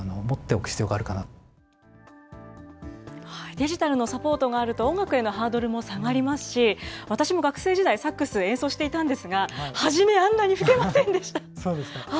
デジタルのサポートがあると、音楽へのハードルも下がりますし、私も学生時代、サックス、演奏していたんですが、初め、そうですか。